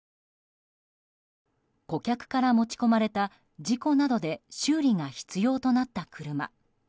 顧客から持ち込まれた事故などで修理が必要となった車。